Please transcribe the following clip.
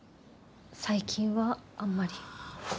最近はあんまり。